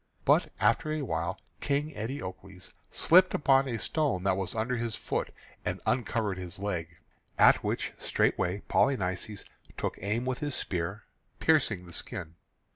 But after a while King Eteocles slipped upon a stone that was under his foot, and uncovered his leg, at which straightway Polynices took aim with his spear, piercing the skin.